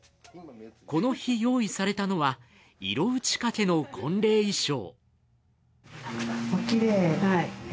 この日用意されたのは、色打ちかけの婚礼衣装。